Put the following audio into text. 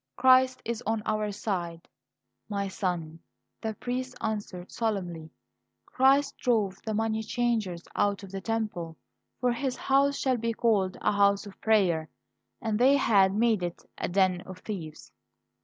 Christ is on our side " "My son," the priest answered solemnly, "Christ drove the moneychangers out of the Temple, for His House shall be called a House of Prayer, and they had made it a den of thieves."